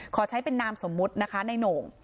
ขอใช้เป็นนามสมมุตินะคะในโหน่ง